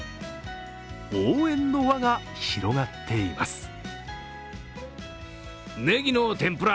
応援の輪が広がっています。